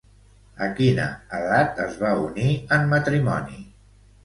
A quina edat es va unir en matrimoni?